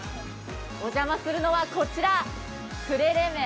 お邪魔するのはこちら、呉冷麺